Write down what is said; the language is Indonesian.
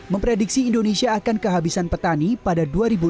memprediksi indonesia akan kehabisan petani pada dua ribu lima puluh